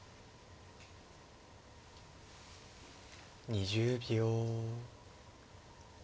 ２０秒。